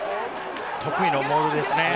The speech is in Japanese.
得意のモールですね。